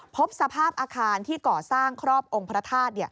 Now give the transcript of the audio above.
พบสภาพอาคารที่ก่อสร้างครอบองค์พระธาตุ